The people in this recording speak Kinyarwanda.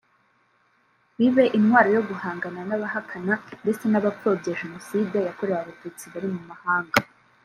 bibe intwaro yo guhangana n’abahakana ndetse n’abapfobya Jenoside yakorewe Abatutsi bari mu mahanga